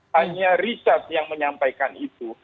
hanya richard yang menyampaikan itu